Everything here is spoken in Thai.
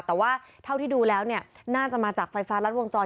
แต่ว่าเท่าที่ดูแล้วเนี่ยน่าจะมาจากไฟฟ้ารัดวงจร